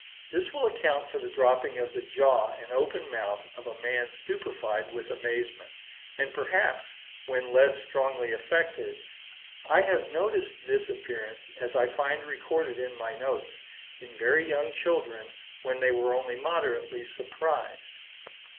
This will account for the dropping of the jaw and open mouth of a man stupefied with amazement, and perhaps when less strongly affected. I have noticed this appearance, as I find recorded in my notes, in very young children when they were only moderately surprised.